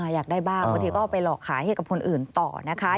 อยากได้บ้างบางทีก็ไปหลอกขายให้กับคนอื่นต่อนะคะ